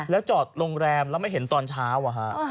แล้วจอดโรงแรมแล้วไม่เห็นตอนเช้า